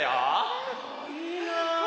あいいな。